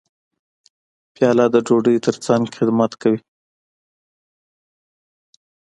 پیاله د ډوډۍ ترڅنګ خدمت کوي.